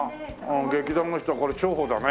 劇団の人はこれ重宝だね。